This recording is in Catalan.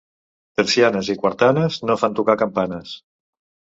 Tercianes i quartanes no fan tocar campanes.